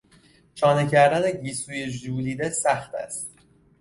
شانه کردن گیسوی ژولیده سخت است.